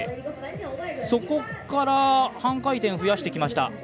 そこから半回転増やしてきました。